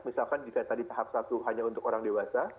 misalkan jika tadi tahap satu hanya untuk orang dewasa